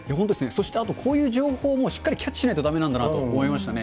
そしてあと、こういう情報もしっかりキャッチしないとだめなんだなと思いましたね。